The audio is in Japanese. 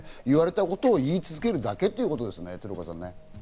言われたことを言い続けるだけということですね、鶴岡さん。